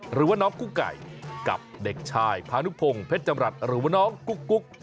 หรือว่าน้องกุ๊กไก่กับเด็กชายพานุพงศ์เพชรจำรัฐหรือว่าน้องกุ๊ก